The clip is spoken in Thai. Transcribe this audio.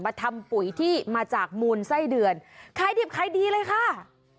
ทำปุ๋ยที่มาจากมูลไส้เดือนขายดิบขายดีเลยค่ะ